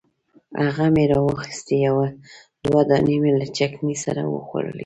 هغه مې راواخیستې یو دوه دانې مې له چکني سره وخوړلې.